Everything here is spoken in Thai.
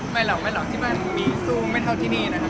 ไม่หรอกที่บ้านมีสู้ไม่เท่าที่นี่นะครับ